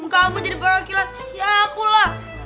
kamu jadi perwakilan ya pula